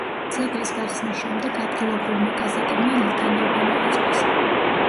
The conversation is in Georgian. ძეგლის გახსნის შემდეგ ადგილობრივმა კაზაკებმა ლიტანიობა მოაწყვეს.